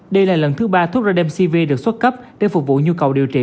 đây là lần thứ ba thuốc radcv được xuất cấp để phục vụ nhu cầu điều trị